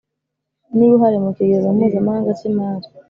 n uruhare mu Kigega Mpuzamahanga cy Imari